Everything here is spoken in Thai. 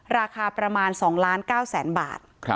ราคาประมาณ๒ล้าน๙แสนบาท